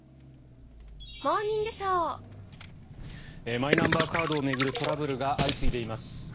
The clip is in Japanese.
マイナンバーカードを巡るトラブルが相次いでいます。